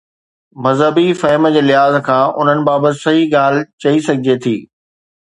مذهبي فهم جي لحاظ کان انهن بابت صحيح ڳالهه چئي سگهجي ٿي.